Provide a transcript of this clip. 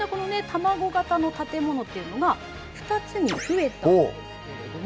卵形の建物っていうのが２つに増えたんですけれども。